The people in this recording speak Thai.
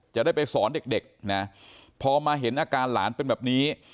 จะได้ไปสอนเด็กนะพอมาเห็นอาการหลานเป็นแบบนี้